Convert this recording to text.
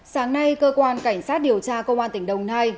sáng nay cơ quan cảnh sát điều tra công an tỉnh đồng nai